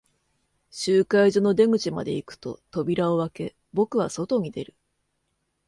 集会所の出口まで行くと、扉を開け、僕は外に出る。